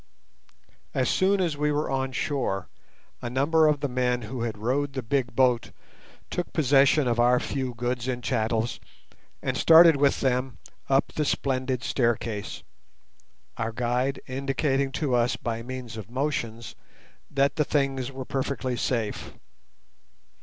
As soon as we were on shore, a number of the men who had rowed the big boat took possession of our few goods and chattels, and started with them up the splendid staircase, our guide indicating to us by means of motions that the things were perfectly safe.